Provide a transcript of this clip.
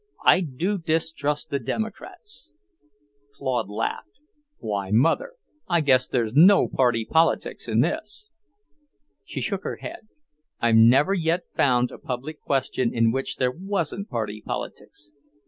I do distrust the Democrats." Claude laughed. "Why, Mother, I guess there's no party politics in this." She shook her head. "I've never yet found a public question in which there wasn't party politics.